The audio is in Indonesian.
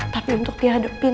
tapi untuk dihadepin